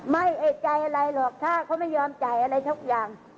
ไม่เอกใจอะไรหรอกถ้าเขาไม่ยอมจ่ายอะไรทุกอย่าง